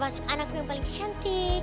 terus masuk anakku yang paling cantik